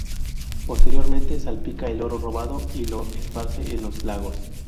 Posteriormente, salpica el oro robado y lo esparce en los lagos.